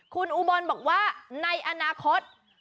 คุณอุบลบอกว่าในอนาคต